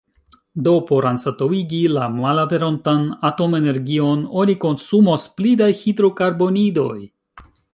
Do por anstataŭigi la malaperontan atomenergion oni konsumos pli da hidrokarbonidoj.